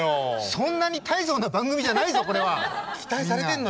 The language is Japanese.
そんなに大層な番組じゃないぞこれはみんな。